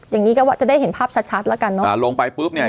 อย่างงี้ก็ว่าจะได้เห็นภาพชัดชัดแล้วกันเนอะอ่าลงไปปุ๊บเนี่ย